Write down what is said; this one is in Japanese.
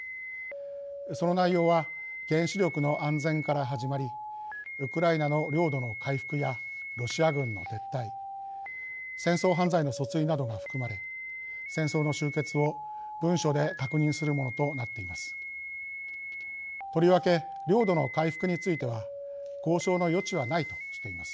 その内容は原子力の安全から始まりウクライナの領土の回復やロシア軍の撤退戦争犯罪の訴追などが含まれ戦争の終結を文書で確認するものとなっています。